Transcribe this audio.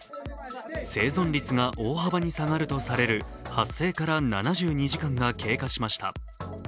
生存率が大幅に下がるとされる発生から７２時間が経過しました。